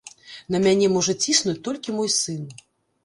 На мяне можа ціснуць толькі мой сын.